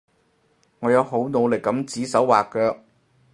我有好努力噉指手劃腳